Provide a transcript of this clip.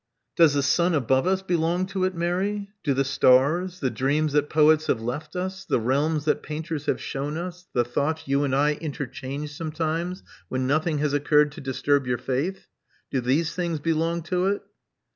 Does the sun above us belong to it, Mary? Do the stars, the dreams that poets have left us, the realms that painters have shewn us, the thoughts you and I interchange sometimes when nothing has occurred to disturb your faith? Do these things belong to it?"